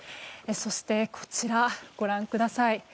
そしてこちら、ご覧ください。